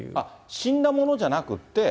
死んだものじゃなくて。